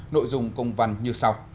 nội dung công văn như sau